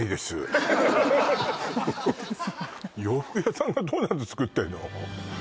洋服屋さんがドーナツ作ってんの？